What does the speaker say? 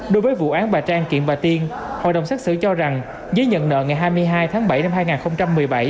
đối với vụ án bà trang kiện và tiên hội đồng xác xử cho rằng dưới nhận nợ ngày hai mươi hai tháng bảy năm hai nghìn một mươi bảy